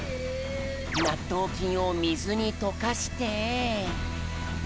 なっとうきんをみずにとかして。